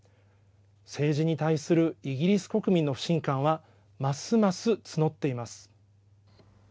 政治に対するイギリス国民の不信感はますます募っています。